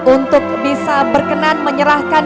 untuk bisa berkenan menyerahkan